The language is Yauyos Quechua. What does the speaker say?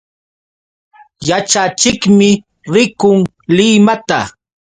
Yaćhachiqmi rikun Limata.